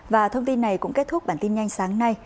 và thông tin này cũng kết thúc bản tin nhanh sáng nay